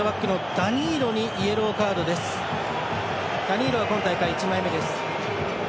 ダニーロは今大会１枚目です。